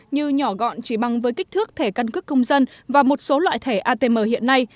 như nhỏ gọn chỉ bằng với kích thước thẻ căn cước công dân và một số loại thẻ atm hiện nay